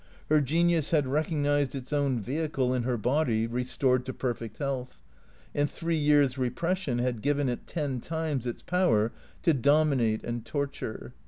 Her genius had recognized its own vehicle in her body restored to perfect health, and three years' repression had given it ten times its power to dominate and torture.